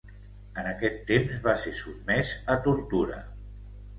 En aquest temps va ser sotmès a tortura.